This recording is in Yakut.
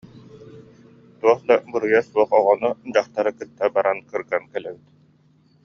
Туох да буруйа суох оҕону, дьахтары кытта баран кырган кэлэбит